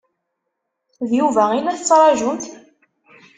D Yuba i la tettṛaǧumt?